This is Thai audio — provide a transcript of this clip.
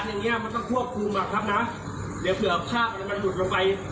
มันไม่ยังเกินเท่านี้หรอก